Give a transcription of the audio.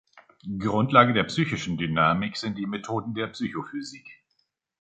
Grundlage der „psychischen Dynamik“ sind die Methoden der Psychophysik.